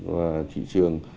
và thị trường